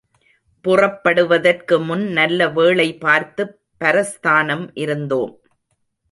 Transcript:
புறப்படுவதற்குமுன் நல்ல வேளை பார்த்துப் பரஸ்தானம் இருந்தோம்.